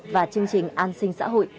và chương trình an sinh xã hội